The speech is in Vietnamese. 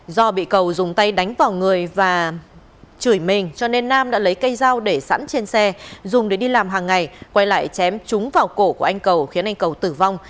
do bị cầu dùng tay đánh vào người và chửi mình cho nên nam đã lấy cây dao để sẵn trên xe dùng để đi làm hàng ngày quay lại chém trúng vào cổ của anh cầu khiến anh cầu tử vong